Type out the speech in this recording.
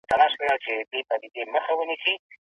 وګړپوهنه زموږ کلتور راپېژني.